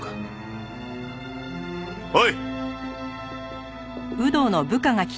おい！